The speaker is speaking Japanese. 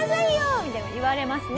みたいに言われますね。